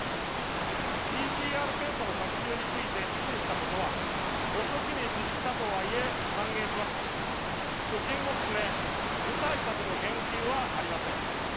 ＰＣＲ検査の拡充について指示したことは、遅きに失したとはいえ歓迎しますが、所信も含め、具体策の言及はありません。